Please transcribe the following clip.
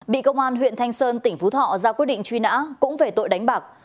bị công an huyện thanh sơn tỉnh phú thọ ra quyết định truy nã cũng về tội đánh bạc